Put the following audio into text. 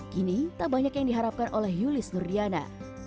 kini tak banyak yang diharapkan oleh yulis nurdiana